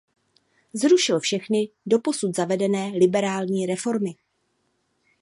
Zrušil všechny doposud zavedené liberální reformy.